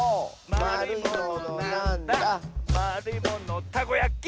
「まるいものたこやき！」